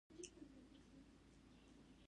لومړی اصل د پلانګذارۍ اهداف ټاکل دي.